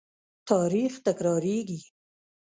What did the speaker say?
تاریخ تکرارېږي.